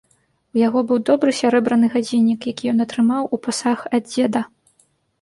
У яго быў добры сярэбраны гадзіннік, які ён атрымаў у пасаг ад дзеда.